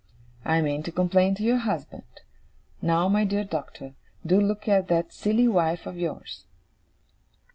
I mean to complain to your husband. Now, my dear Doctor, do look at that silly wife of yours.